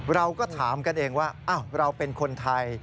เราก็ถามกันเองว่าเราเป็นคนไทย